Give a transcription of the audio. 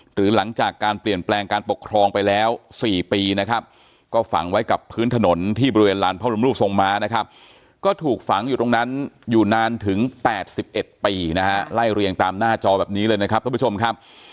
หลังจากการเปลี่ยนแปลงการปกครองไปแล้ว๔ปีนะครับก็ฝังไว้กับพื้นถนนที่บริเวณลานพระบรมรูปทรงม้านะครับก็ถูกฝังอยู่ตรงนั้นอยู่นานถึง๘๑ปีนะฮะไล่เรียงตามหน้าจอแบบนี้เลยนะครับท่านผู้ชมครับ